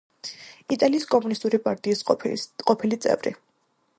იტალიის კომუნისტური პარტიის ყოფილი წევრი.